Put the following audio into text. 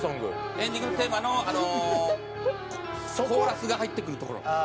エンディングテーマのあのコーラスが入ってくるところ。